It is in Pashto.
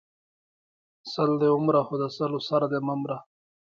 ـ سل دی ونره خو د سلو سر دی مه مره.